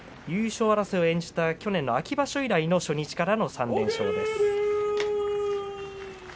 優勝争いを演じた去年の秋場所以来の初日からの３連勝です。